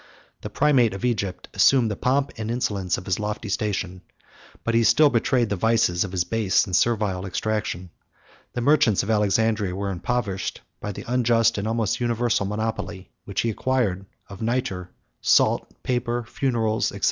The primate of Egypt assumed the pomp and insolence of his lofty station; but he still betrayed the vices of his base and servile extraction. The merchants of Alexandria were impoverished by the unjust, and almost universal, monopoly, which he acquired, of nitre, salt, paper, funerals, &c.